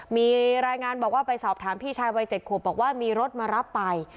มีรายงานบอกว่าไปสอบถามพี่ชายวัย๗ขวบบอกว่ามีรถมารับไป